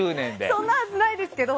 そんなはずないですけど。